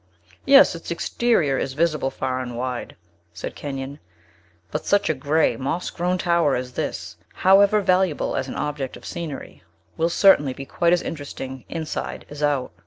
"Yes; its exterior is visible far and wide," said Kenyon. "But such a gray, moss grown tower as this, however valuable as an object of scenery, will certainly be quite as interesting inside as out.